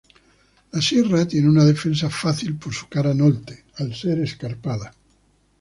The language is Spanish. La sierra tiene un defensa fácil por su cara norte, al ser escarpada.